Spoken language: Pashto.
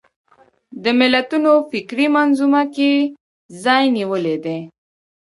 د ملتونو فکري منظومه کې ځای نیولی دی